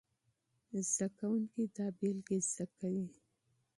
زده کوونکي دا بېلګې زده کوي.